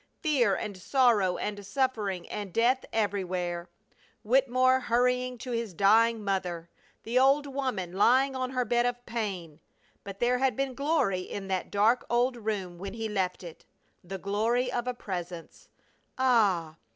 Fear and sorrow and suffering and death everywhere! Wittemore hurrying to his dying mother! The old woman lying on her bed of pain! But there had been glory in that dark old room when he left it, the glory of a Presence! Ah!